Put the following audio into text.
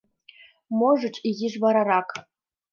Можыч, изиш варарак...